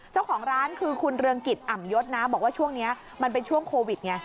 เจ้าของร้านคือคุณเรืองกิจอ่ำยศนะบอกว่าช่วงนี้มันเป็นช่วงโควิดไง